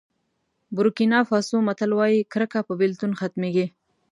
بورکېنا فاسو متل وایي کرکه په بېلتون ختمېږي.